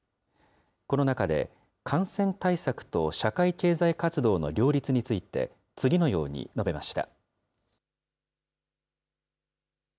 この中で、感染対策と社会経済活動の両立について、次のように述べました。